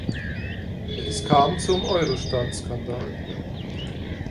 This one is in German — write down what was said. Es kam zum Eurostat-Skandal.